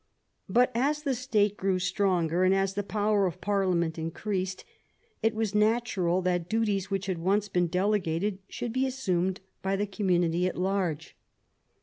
But as the State grew stronger, and as the power of Parliament increased, it was natural that duties which had once been delegated should be assumed by the community at large.